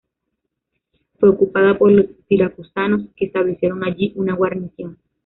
Fue ocupada por los siracusanos que establecieron allí una guarnición.